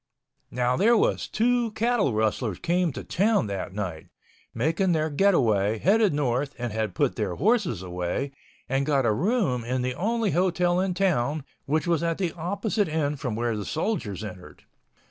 Now there was two cattle rustlers came to town that night, making their get away, headed north, and had put their horses away, and got a room in the only hotel in town, which was at the opposite end from where the soldiers entered.